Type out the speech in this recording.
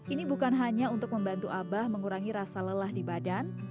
ini bukan hanya untuk membantu abah mengurangi rasa lelah di badan